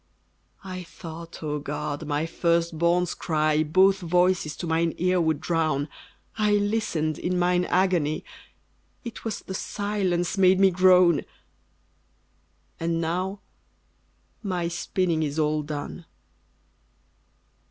I thought, O God! my first born's cry Both voices to mine ear would drown: I listened in mine agony, It was the silence made me groan! And now my spinning is all done.